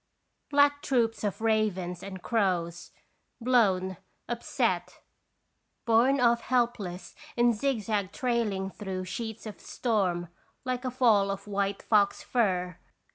Black & (Sracions i)isilation. 147 troops of ravens and crows, blown, upset, borne off helpless in zigzag trailing through sheets of storm like a fall of white fox fur.